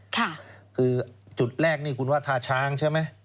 ค่ะคือจุดแรกนี่คุณว่าท่าช้างใช่ไหม